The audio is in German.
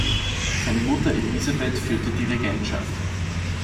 Seine Mutter Elisabeth führte die Regentschaft.